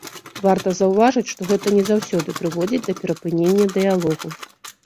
Варта заўважыць, што гэта не заўсёды прыводзіць да перапынення дыялогу.